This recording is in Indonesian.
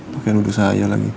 pakai nuduh saya lagi